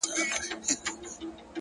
پوه انسان له هر حالت زده کوي!